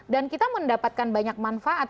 dan kita mendapatkan banyak manfaat